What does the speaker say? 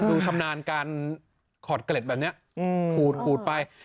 ดูชำนานการขอดกระเหล็ดแบบนี้อืมหูดหูดไป